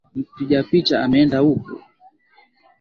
Mpiga picha ameenda huko.